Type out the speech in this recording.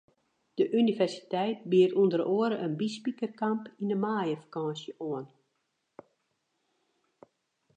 De universiteit biedt ûnder oare in byspikerkamp yn de maaiefakânsje oan.